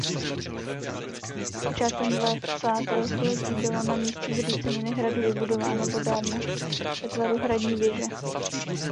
Počátkem dvacátého století byla na místě zříceniny hradu vybudována vodárna ve tvaru hradní věže.